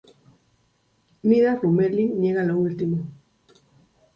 Nida-Rümelin niega lo último.